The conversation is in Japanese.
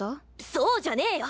そうじゃねよ。